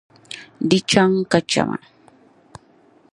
Di chaŋ ka chɛma.